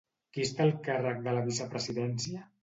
Qui està al càrrec de la vicepresidència?